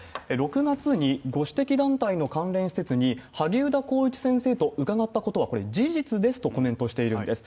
６月にご指摘団体の関連施設に、萩生田光一先生と伺ったことは、これ事実ですと、コメントしているんです。